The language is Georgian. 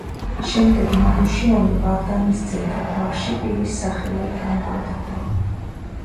შემდეგ „მარუშიანი“ ვარდანისძეთა გვარში პირის სახელად დამკვიდრდა.